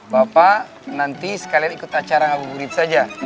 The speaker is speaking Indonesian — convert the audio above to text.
bapak nanti sekalian ikut acara ngabuburit saja